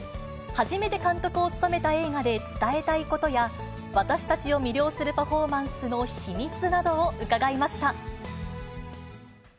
初めて監督を務めた映画で伝えたいことや、私たちを魅了するパフォーマンスの秘密などを伺いました。